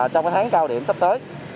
trong tháng cao điểm sắp tới